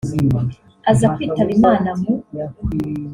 aza kwitaba Imana mu